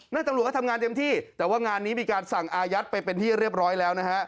ตำรวจก็ทำงานเต็มที่แต่ว่างานนี้มีการสั่งอายัดไปเป็นที่เรียบร้อยแล้วนะฮะ